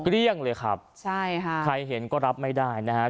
รียิ่งเลยครับใครเห็นก็รับไม่ได้นะครับ